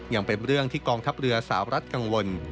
ยังเป็นเรื่องที่กองทัพเรือสาวรัฐกังวล